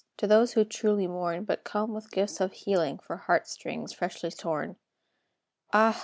To those who truly mourn, But come with gifts of healing, For heart strings freshly torn. Ah!